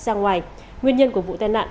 ra ngoài nguyên nhân của vụ tai nạn